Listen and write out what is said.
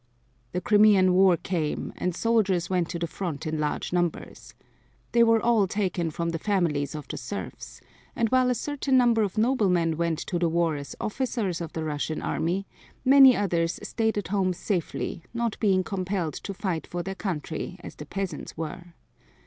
The Crimean war came, and soldiers went to the front in large numbers. They were all taken from the families of the serfs, and while a certain number of the noblemen went to the war as officers of the Russian army, many others stayed at home safely, not being compelled to fight for their country as the peasants were.